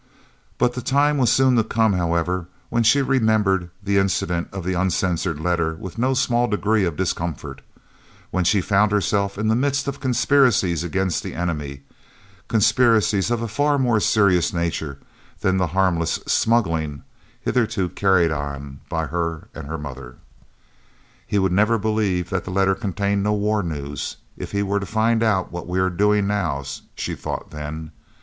But the time was soon to come, however, when she remembered the incident of the uncensored letter with no small degree of discomfort when she found herself in the midst of conspiracies against the enemy, conspiracies of a far more serious nature than the harmless "smuggling" hitherto carried on by her and her mother. "He would never believe that that letter contained no war news, if he were to find out what we are doing now," she thought then.